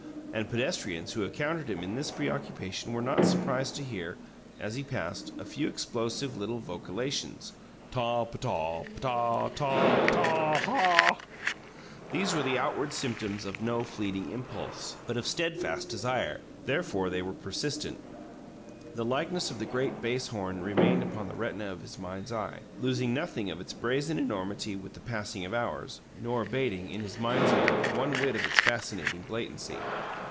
And pedestrians who encountered him in this preoccupation were not surprised to hear, as he passed, a few explosive little vocalizations: "Taw, p'taw p'taw! TAW! Taw aw HAW!" These were the outward symptoms of no fleeting impulse, but of steadfast desire; therefore they were persistent. The likeness of the great bass horn remained upon the retina of his mind's eye, losing nothing of its brazen enormity with the passing of hours, nor abating, in his mind's ear, one whit of its fascinating blatancy.